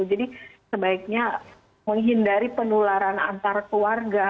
jadi sebaiknya menghindari penularan antar keluarga